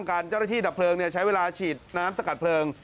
เจ้าหน้าที่ดับเพลิงใช้เวลาฉีดน้ำสกัดเพลิง